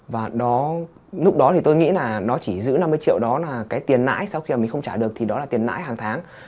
và lúc đó thì tôi nghĩ là nó chỉ giữ năm mươi triệu đó là cái tiền nãi sau khi mà mình không trả được thì đó là tiền nãi hàng tháng